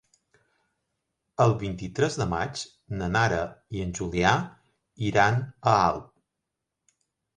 El vint-i-tres de maig na Nara i en Julià iran a Alp.